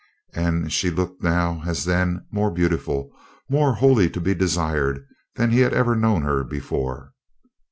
And she looked now, as, then, more beautiful, more wholly to be desired than he had ever known her before.